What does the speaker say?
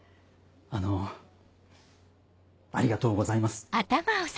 あのありがとうございます。